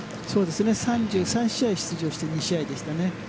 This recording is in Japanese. ３３試合出場して２試合でしたね。